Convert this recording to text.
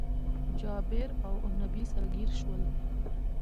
جابير اونبي سره ګير شول